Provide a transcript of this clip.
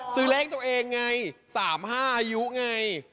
ซื้อเลขตัวเองไง๓๕อายุไง